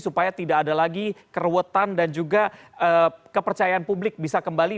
supaya tidak ada lagi kerewetan dan juga kepercayaan publik bisa kembali